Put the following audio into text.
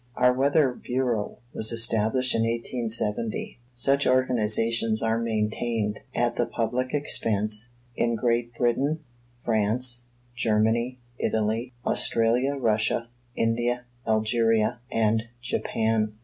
Our weather bureau was established in 1870. Such organizations are maintained, at the public expense, in Great Britain, France, Germany, Italy, Australia, Russia, India, Algeria, and Japan.